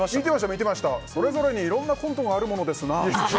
見てました、それぞれにいろんなコントがあるものですな。